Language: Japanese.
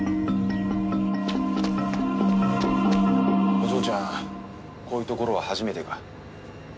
お嬢ちゃんこういうところは初めてか？